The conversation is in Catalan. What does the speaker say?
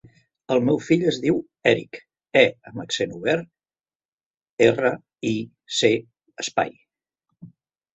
El meu fill es diu Èric : e amb accent obert, erra, i, ce, espai.